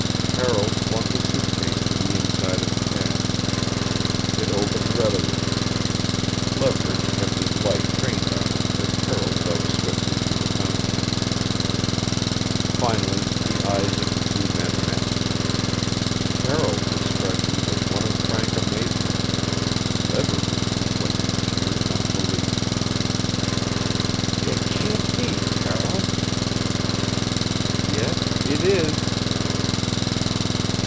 Carroll swung the suit case to the inside of the cab. It opened readily. Leverage kept his light trained on it as Carroll dug swiftly through the contents. Finally the eyes of the two men met. Carroll's expression was one of frank amazement; Leverage's reflected sheer unbelief. "It can't be, Carroll!" "Yet it is!"